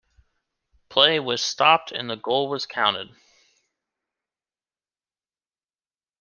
Play was stopped and the goal was counted.